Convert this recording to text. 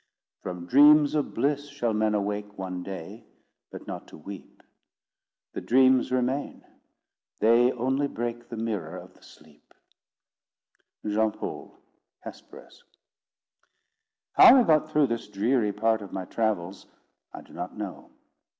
"From dreams of bliss shall men awake One day, but not to weep: The dreams remain; they only break The mirror of the sleep." JEAN PAUL, Hesperus. How I got through this dreary part of my travels, I do not know.